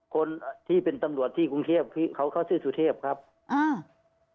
คนที่เป็นตำรวจที่กรุงเทพคือเขาเขาชื่อสุเทพครับอ่า